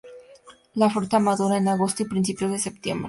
La fruta madura en agosto y principios de septiembre.